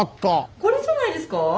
これじゃないですか？